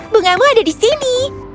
bungamu ada di sini